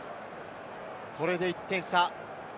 これで１点差。